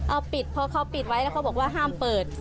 เอาปิดเพราะเขาปิดไว้บอกว่าห้ามเปิด